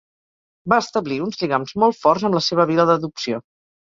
Va establir uns lligams molt forts amb la seva vila d'adopció.